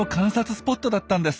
スポットだったんです。